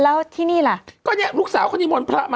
แล้วที่นี่ล่ะก็เนี่ยลูกสาวเขานิมนต์พระมา